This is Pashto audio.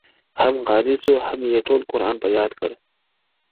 هم قاري سو هم یې ټول قرآن په یاد کړ-